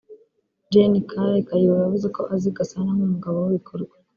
Gen Kale Kayihura yavuze ko azi Gasana nk’umugabo w’ibikorwa